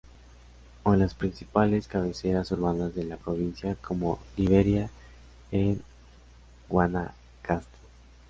O en las principales cabeceras urbanas de la provincia, como Liberia en Guanacaste.